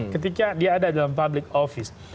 ketika dia ada dalam public office